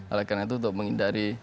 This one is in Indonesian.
oleh karena itu untuk menghindari